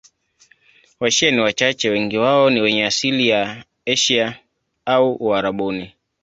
Washia ni wachache, wengi wao ni wenye asili ya Asia au Uarabuni.